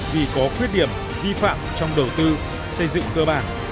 vì có khuyết điểm vi phạm trong đầu tư xây dựng cơ bản